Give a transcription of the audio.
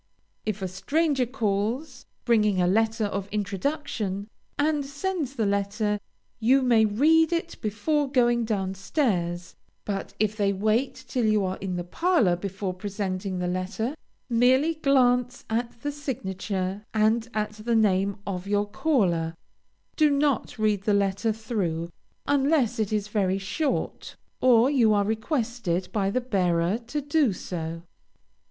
If a stranger calls, bringing a letter of introduction, and sends the letter, you may read it before going down stairs, but if they wait till you are in the parlor before presenting the letter, merely glance at the signature and at the name of your caller; do not read the letter through, unless it is very short, or you are requested by the bearer to do so.